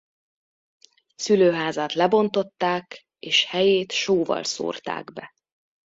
Szülőházát lebontották és helyét sóval szórták be.